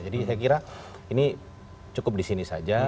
jadi saya kira ini cukup di sini saja